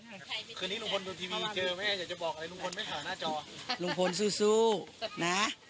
คืนนี้ลุงพลดูทีวีเจอไหมอยากจะบอกอะไรลุงพลไม่ข่าวหน้าจอ